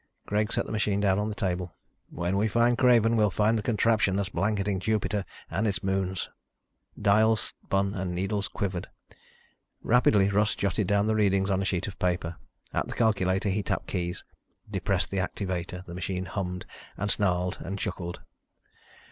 Greg set the machine down on the table. "When we find Craven, we'll find the contraption that's blanketing Jupiter and its moons." Dials spun and needles quivered. Rapidly Russ jotted down the readings on a sheet of paper. At the calculator, he tapped keys, depressed the activator. The machine hummed and snarled and chuckled.